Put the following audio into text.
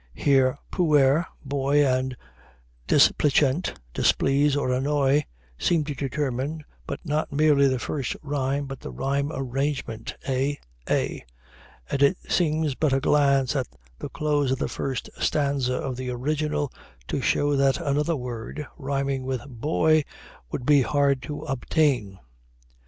Here "puer," boy, and "Displicent," displease or annoy, seem to determine, not merely the first rhyme, but the rhyme arrangement (a, a), and it needs but a glance at the close of the first stanza of the original to show that another word rhyming with "boy" would be hard to obtain.